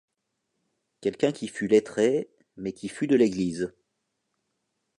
Quelqu'un qui fût lettré, mais qui fût de l'église ;